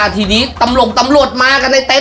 ทีนี้มันก็ด่าเราเลยอะ